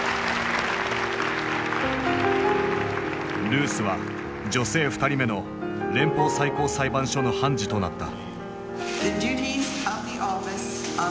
ルースは女性２人目の連邦最高裁判所の判事となった。